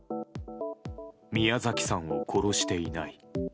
宮崎さんを殺していない。